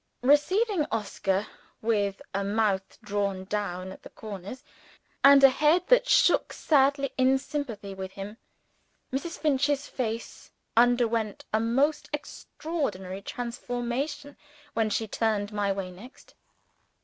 Receiving Oscar with a mouth drawn down at the corners, and a head that shook sadly in sympathy with him, Mrs. Finch's face underwent a most extraordinary transformation when she turned my way next.